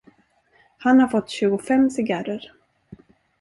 Han har fått tjugofem cigarrer.